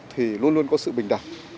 thì luôn luôn có sự bình đẳng